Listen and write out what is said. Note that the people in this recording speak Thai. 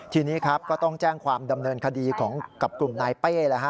ทีนี้ครับก็ต้องแจ้งความดำเนินคดีกับกลุ่มนายเป้แล้วฮะ